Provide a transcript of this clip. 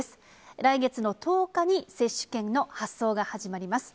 来月の１０日に接種券の発送が始まります。